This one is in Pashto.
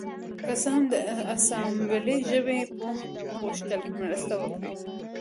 که څه هم د اسامبلۍ ژبې پوه غوښتل مرسته وکړي